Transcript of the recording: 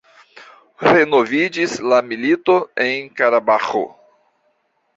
Renoviĝis la milito en Karabaĥo.